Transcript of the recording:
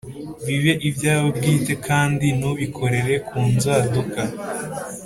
bibe ibyawe bwite, kandi ntubikorere ku nzaduka